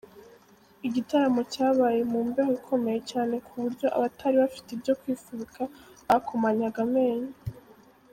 Igitaramo cyabaye mu mbeho ikomeye cyane ku buryo abatari bafite ibyo kwifubika bakomanyaga amenyo.